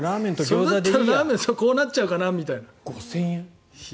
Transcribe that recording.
そうなるとこうなっちゃうかなみたいな。